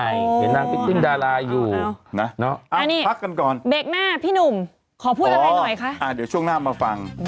อยากจะพูดอะไรคะขอพูดอะไรหน่อย